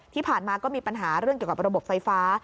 ที่ผ่านมาก็มีปัญหาเรื่องเกี่ยวกับระบบไฟฟ้า